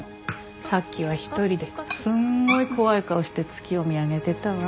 さっきは１人ですんごい怖い顔して月を見上げてたわ。